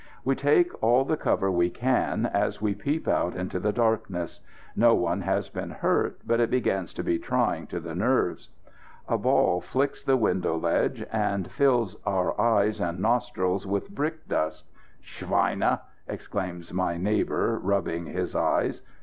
We take all the cover we can as we peep out into the darkness. No one has been hurt, but it begins to be trying to the nerves. A ball flicks the window ledge, and fills our eyes and nostrils with brick dust. "Schweine!" exclaims my neighbour, rubbing his eyes.